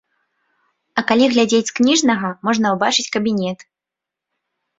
А калі глядзець з кніжнага, можна ўбачыць кабінет.